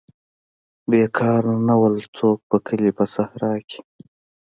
بیکار نه وو څوک په کلي په صحرا کې.